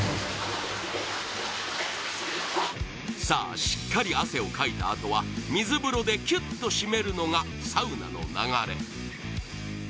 さあしっかり汗をかいたあとは水風呂でキュッと締めるのがサウナの流れ